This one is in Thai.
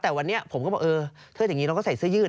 แต่วันนี้ผมก็บอกเออถ้าอย่างนี้เราก็ใส่เสื้อยืด